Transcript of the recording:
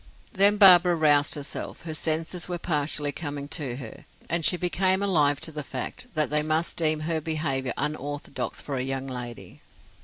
Then Barbara roused herself; her senses were partially coming to her, and she became alive to the fact that they must deem her behavior unorthodox for a young lady.